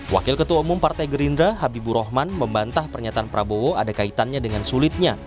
wakil ketua umum partai gerindra habibur rahman membantah pernyataan prabowo ada kaitannya dengan sulitnya